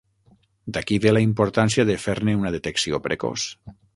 D'aquí ve la importància de fer-ne una detecció precoç.